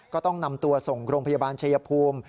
ก็ต้องนำตัวส่งโรงพยาบาลชายภูมิ